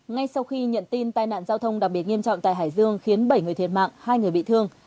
ngay sau khi nhận tin tai nạn giao thông đặc biệt nghiêm trọng tại hải dương khiến bảy người thiệt mạng hai người bị thương